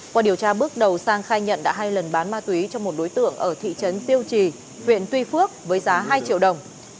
qua điều tra bước đầu sang khai nhận đã hai lần bán ma túy cho một đối tượng ở thị trấn tiêu trì huyện tuy phước với giá hai triệu đồng